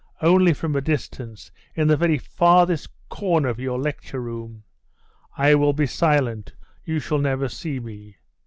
Only from a distance in the very farthest corner of your lecture room. I will be silent; you shall never see me.